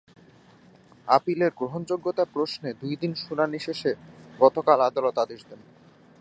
আপিলের গ্রহণযোগ্যতা প্রশ্নে দুই দিন শুনানি শেষে গতকাল আদালত আদেশ দেন।